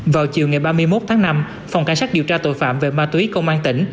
vào chiều ngày ba mươi một tháng năm phòng cảnh sát điều tra tội phạm về ma túy công an tỉnh